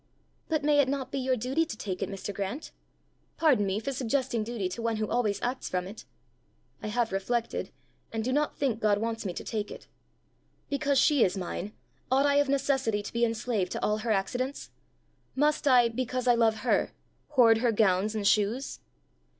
"But may it not be your duty to take it, Mr. Grant? Pardon me for suggesting duty to one who always acts from it." "I have reflected, and do not think God wants me to take it. Because she is mine, ought I of necessity to be enslaved to all her accidents? Must I, because I love her, hoard her gowns and shoes?"